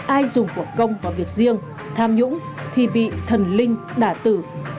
ai dùng của công vào việc riêng tham nhũng thì bị thần linh đả tử